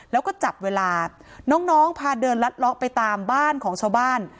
แล้วก็จับเวลาน้องพาเดินลัดเลาะไปตามบ้านของชาวบ้าน